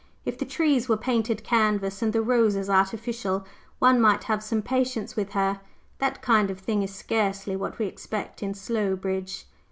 "If the trees were painted canvas and the roses artificial, one might have some patience with her. That kind of thing is scarcely what we expect in Slowbridge."